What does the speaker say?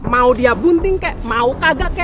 mau dia bunting kek mau kagak kek